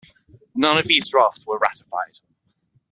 None of these drafts were ratified.